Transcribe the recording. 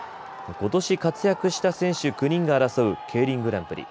ことし活躍した選手９人が争うＫＥＩＲＩＮグランプリ。